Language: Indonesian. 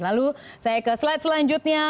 lalu saya ke slide selanjutnya